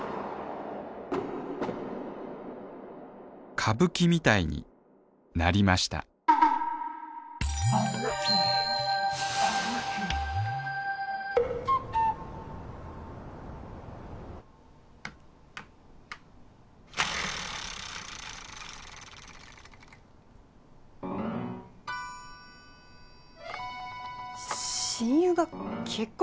歌舞伎みたいになりました親友が結婚！